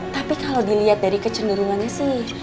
tapi kalo diliat dari kecenderungannya sih